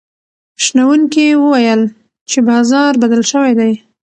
شنونکي وویل چې بازار بدل شوی دی.